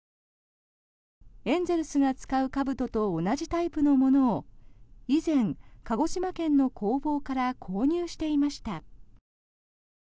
エンゼルスが使うかぶとと同じタイプのものを以前、鹿児島県の工房から購入していました。